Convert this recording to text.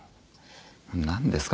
なんですか？